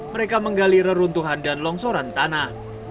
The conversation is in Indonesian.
mereka menggali reruntuhan dan longsoran tanah